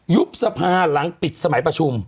ยุบสภาหลังปิดสมัยประชุม